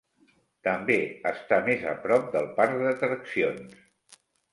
També està més a prop del parc d'atraccions.